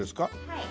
はい。